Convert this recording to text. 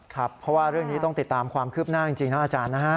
ครับเพราะว่าเรื่องนี้ต้องติดตามความคืบหน้าจริงนะอาจารย์นะฮะ